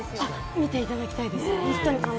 見ていただきたいです。